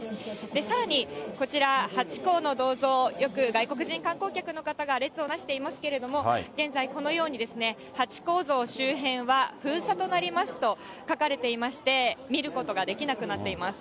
さらにこちら、ハチ公の銅像、よく、外国人観光客の方が列をなしていますけれども、現在、このようにハチ公像周辺は封鎖となりますと書かれていまして、見ることができなくなっています。